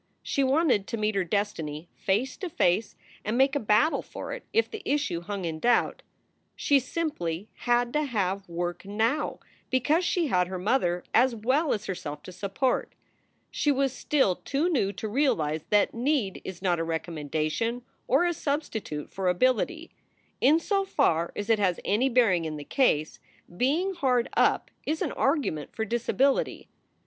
She wanted to meet her destiny face to face and make a battle for it if the issue hung in doubt. She simply had to have work now because she had her mother as well as herself to support. She was still too new to realize that need is not a recommendation or a substitute for ability. In so far as it has any bearing in the case, being hard up is an argument for disability.